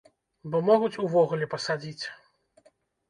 Бо могуць увогуле пасадзіць.